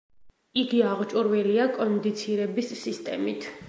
იგი აღჭურვილია კონდიცირების სისტემით.